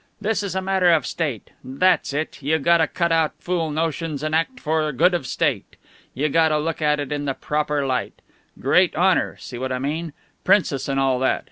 "This is a matter of state. That's it. You gotta cut out fool notions and act for good of state. You gotta look at it in the proper spirit. Great honor see what I mean? Princess and all that.